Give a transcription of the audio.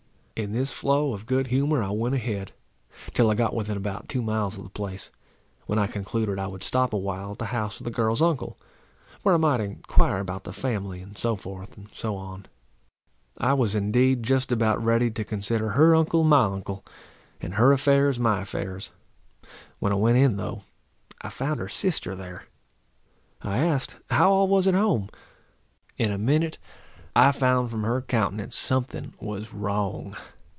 In this flow of good humour I went ahead, till I got within about two miles of the place, when I concluded I would stop awhile at the house of the girl's uncle; where I might enquire about the family, and so forth, and so on. I was indeed just about ready to consider her uncle, my uncle; and her affairs, my affairs. When I went in, tho', I found her sister there. I asked how all was at home? In a minute I found from her countenance something was wrong.